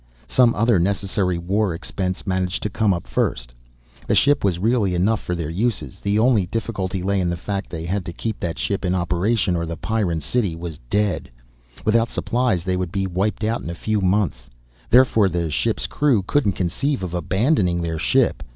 Some other necessary war expense managed to come up first. One ship was really enough for their uses. The only difficulty lay in the fact they had to keep that ship in operation or the Pyrran city was dead. Without supplies they would be wiped out in a few months. Therefore the ship's crew couldn't conceive of abandoning their ship.